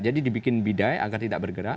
dibikin bidai agar tidak bergerak